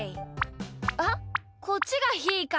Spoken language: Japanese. あっこっちがひーか！